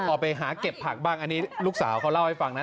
ออกไปหาเก็บผักบ้างอันนี้ลูกสาวเขาเล่าให้ฟังนะ